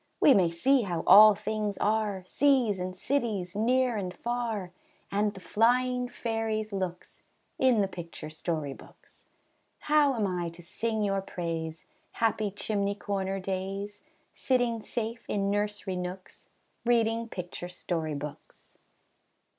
We may see how all things are, Seas and cities, near and far, And the flying fairies' looks, In the picture story books. How am I to sing your praise, Happy chimney corner days, Sitting safe in nursery nooks, Reading picture story books?